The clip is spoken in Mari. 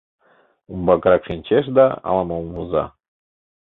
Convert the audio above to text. Умбакырак шинчеш да ала-мом воза.